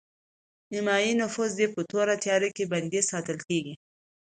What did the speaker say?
نیمایي نفوس دې په تورو تیارو کې بندي ساتل کیږي